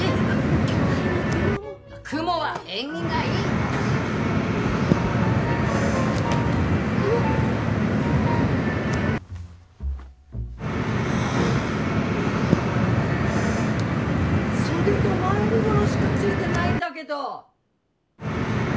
巨大なクモもクモは縁起がいいうわっはあ袖と前身頃しかついてないんだけど！